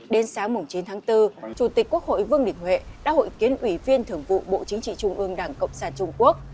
đến sáng chín tháng bốn chủ tịch quốc hội vương đình huệ đã hội kiến ủy viên thưởng vụ bộ chính trị trung ương đảng cộng sản trung quốc